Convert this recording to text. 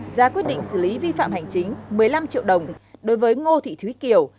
ra quyết định xử lý vi phạm hành chính một mươi năm triệu đồng đối với ngô thị thúy kiều